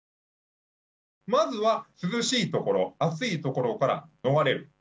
まずは涼しいところ暑いところから逃れる。